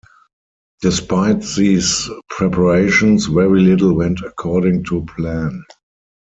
Despite these preparations, very little went according to plan.